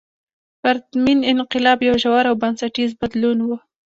پرتمین انقلاب یو ژور او بنسټیز بدلون و.